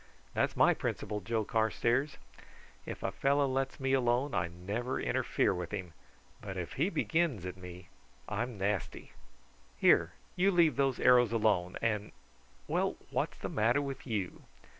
That's my principle, Joe Carstairs; if a fellow lets me alone I never interfere with him, but if he begins at me I'm nasty. Here, you leave those arrows alone, and well, what's the matter with you?"